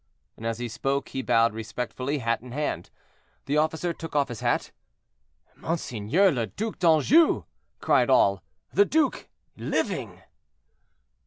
And as he spoke he bowed respectfully, hat in hand. The officer took off his hat. "Monseigneur le Duc d'Anjou!" cried all. "The duke, living!"